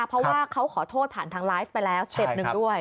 เพราะว่าเขาขอโทษผ่านทางไลฟ์ไปแล้วสเต็ปหนึ่งด้วย